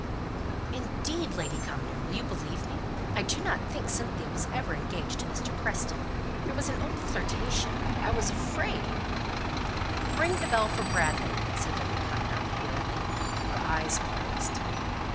"Indeed, Lady Cumnor will you believe me? I do not think Cynthia was ever engaged to Mr. Preston. There was an old flirtation. I was afraid " "Ring the bell for Bradley," said Lady Cumnor, wearily: her eyes closed.